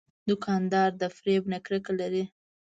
دوکاندار د فریب نه کرکه لري.